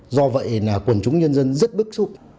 do vậy là quần chúng nhân dân rất bức xúc